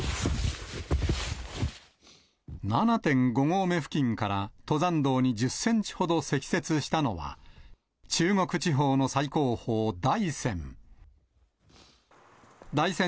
７．５合目付近から、登山道に１０センチほど積雪したのは、中国地方の最高峰、大山。